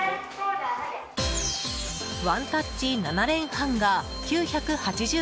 ワンタッチ７連ハンガー９８０円。